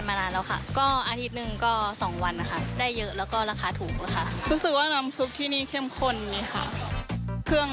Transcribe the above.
มีกลิ่นของเครื่องเทนนิดหนึ่ง